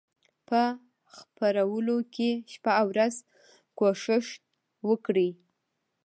په خپرولو کې شپه او ورځ کوښښ وکړي.